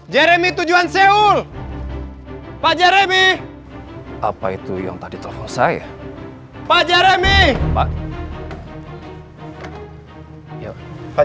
jeremy tujuan seoul pak jaremi apa itu yang tadi telepon saya pak jaremi pak